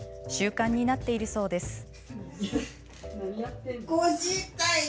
習慣になっているそうです。